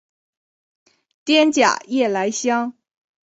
滇假夜来香